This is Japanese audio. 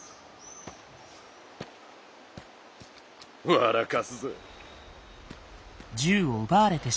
笑かすぜ。